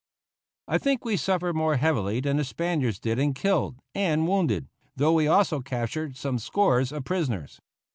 I think we suffered more heavily than the Spaniards did in killed and wounded (though we also captured some scores of prisoners).